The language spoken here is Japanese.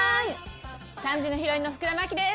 ３時のヒロインの福田麻貴です。